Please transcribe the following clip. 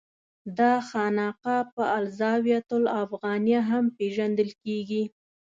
دا خانقاه په الزاویة الافغانیه هم پېژندل کېږي.